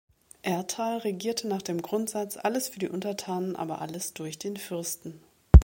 Erthal regierte nach dem Grundsatz "Alles für die Untertanen, aber alles durch den Fürsten.